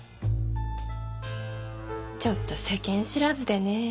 ちょっと世間知らずでね。